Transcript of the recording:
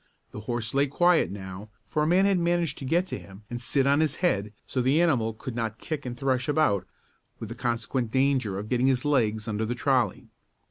The horse lay quiet now, for a man had managed to get to him and sit on his head, so the animal could not kick and thresh about with the consequent danger of getting his legs under the trolley.